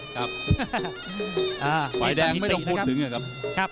ฝ่ายแดงไม่ต้องพูดถึงนะครับ